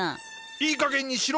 いいかげんにしろ。